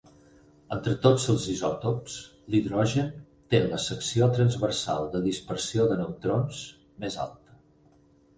Entre tots els isòtops, l'hidrogen té la secció transversal de dispersió de neutrons més alta.